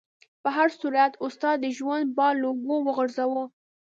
په هر صورت استاد د ژوند بار له اوږو وغورځاوه.